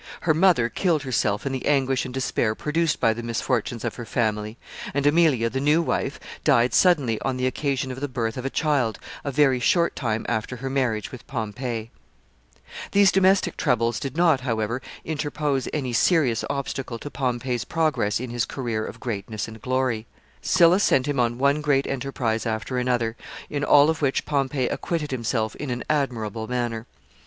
Her mother killed herself in the anguish and despair produced by the misfortunes of her family; and Aemilia the new wife, died suddenly, on the occasion of the birth of a child, a very short time after her marriage with Pompey. [Sidenote: Pompey's success in Africa.] [Sidenote: Attachment of his soldiers.] [Sidenote: Pompey's title as "Great."] These domestic troubles did not, however, interpose any serious obstacle to Pompey's progress in his career of greatness and glory. Sylla sent him on one great enterprise after another, in all of which Pompey acquitted himself in an admirable manner.